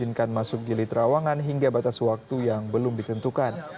dihizinkan masuk gilit rawangan hingga batas waktu yang belum ditentukan